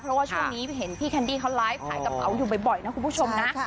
เพราะว่าช่วงนี้เห็นพี่แคนดี้เขาไลฟ์ขายกระเป๋าอยู่บ่อยนะคุณผู้ชมนะ